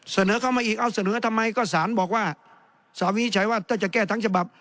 เสนอเข้ามาอีกเอาเสนอทำไมก็สารบอกว่าสาววินิจฉัยว่าถ้าจะแก้ทั้งฉบับ